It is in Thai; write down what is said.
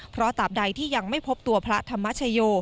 เพราะตามใดที่ยังไม่พบตัวพระธรรมชโย